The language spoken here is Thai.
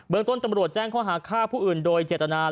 เมืองต้นตำรวจแจ้งข้อหาฆ่าผู้อื่นโดยเจตนา